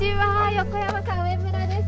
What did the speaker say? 横山さん、上村です。